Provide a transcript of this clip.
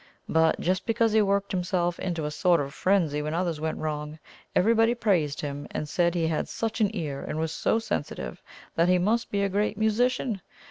But just because he worked himself into a sort of frenzy when others went wrong, everybody praised him, and said he had such an ear and was so sensitive that he must be a great musician.